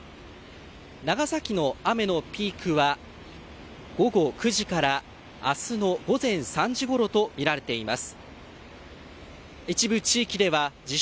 長崎の雨のピークは午後９時から明日の午前３時ごろとみられています。